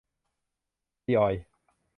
ซีออยล์